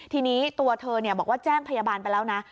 ทีนี้ตัวเธอบอกว่าแจ้งพยาบาลไปแล้วนะ